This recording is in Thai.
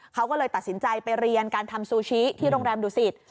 เขาก็เลยตัดสินใจไปเรียนการทำซูชิที่โรงแรมดุสิต